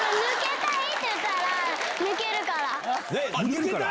抜けたい！